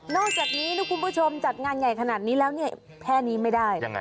อกจากนี้นะคุณผู้ชมจัดงานใหญ่ขนาดนี้แล้วเนี่ยแค่นี้ไม่ได้